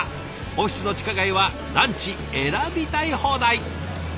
オフィスの地下街はランチ選びたい放題！